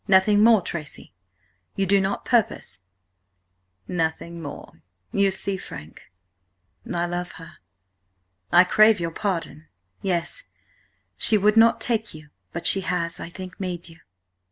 "Nothing more, Tracy! You do not purpose—" "Nothing more. You see, Frank–I love her." "I crave your pardon. Yes–she would not take you, but she has, I think, made you.